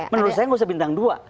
menurut saya nggak usah bintang dua